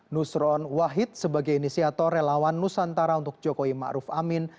nusron wahid sebagai inisiator relawan nusantara untuk jokowi ma'ruf amin